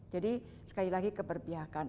jadi sekali lagi keberpihakan